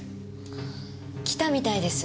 来たみたいです。